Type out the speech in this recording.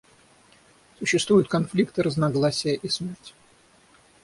Существуют конфликты, разногласия и смерть.